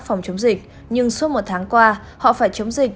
phòng chống dịch nhưng suốt một tháng qua họ phải chống dịch